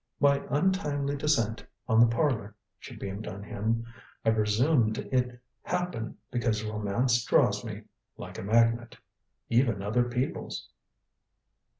"My untimely descent on the parlor." She beamed on him. "I presume it happened because romance draws me like a magnet. Even other people's."